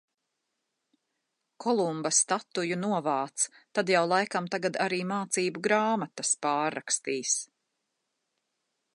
Kolumba statuju novāc, tad jau laikam tagad arī mācību grāmatas pārrakstīs.